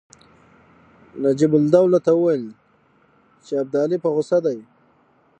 نجیب الدوله ته وویل چې ابدالي په غوسه دی.